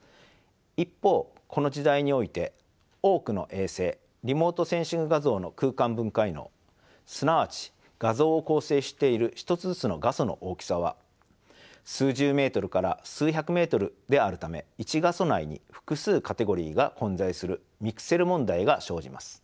一方この時代において多くの衛星リモートセンシング画像の空間分解能すなわち画像を構成している一つずつの画素の大きさは数十メートルから数百メートルであるため１画素内に複数カテゴリが混在するミクセル問題が生じます。